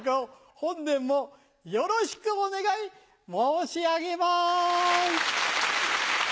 本年もよろしくお願い申し上げます。